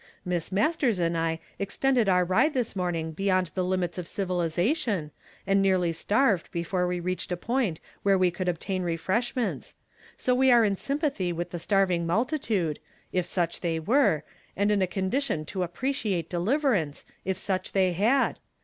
'• Miss Mastei s and I extended our ride this morniiifr be yond the limits of civilization, and nearly starved before we reached a point where we could obtain refreshments ; so we are in sympathy with the starving multitude, if such they Avere, and in a condition to appreciate deliverance, if such they had.